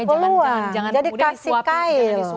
peluang jadi kasih kail